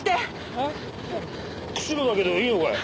えっ釧路だけどいいのかい？